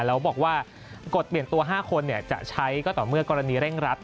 แล้วบอกว่ากฎเปลี่ยนตัว๕คนจะใช้ก็ต่อเมื่อกรณีเร่งรัด